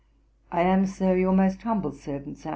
'I am, Sir, 'Your most humble servant, 'SAM.